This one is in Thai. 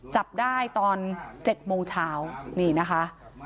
จับได้ตอน๗โมงเช้านี่นะคะ